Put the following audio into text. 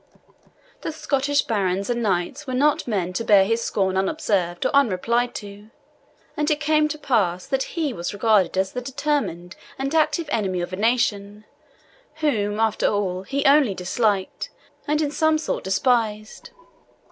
The Scottish barons and knights were not men to bear his scorn unobserved or unreplied to; and it came to that pass that he was regarded as the determined and active enemy of a nation, whom, after all, he only disliked, and in some sort despised.